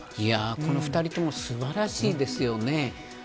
２人とも素晴らしいですよね。